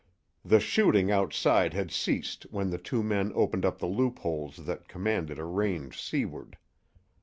The shooting outside had ceased when the two men opened up the loopholes that commanded a range seaward.